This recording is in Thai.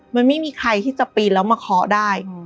มันไม่มีใครที่จะปีนแล้วมาเคาะได้